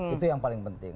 itu yang paling penting